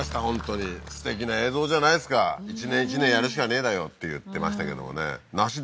本当にすてきな映像じゃないですか一年一年やるしかねえだよって言ってましたけどもね梨